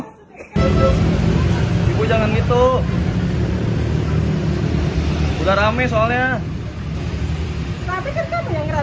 hai ibu jangan gitu udah rame soalnya tapi kekepingan